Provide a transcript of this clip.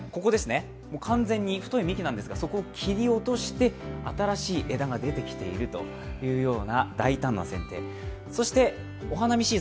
完全に太い幹なんですが、切り落として新しい枝が出てきている大胆なせんてい。